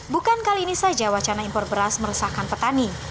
bukan kali ini saja wacana impor beras meresahkan petani